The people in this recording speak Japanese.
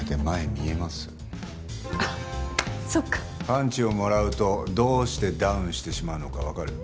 パンチをもらうとどうしてダウンしてしまうのかわかる？